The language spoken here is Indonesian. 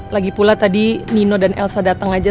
lagi pula tadi nino dan elsa datang aja